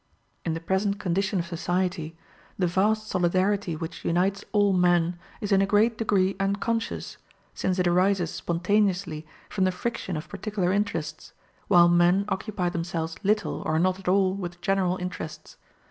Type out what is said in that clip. In the present condition of society, the vast solidarity which unites all men is in a great degree unconscious, since it arises spontaneously from the friction of particular interests, while men occupy themselves little or not at all with general interests.